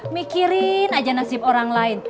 mikirin aja nasib orang lain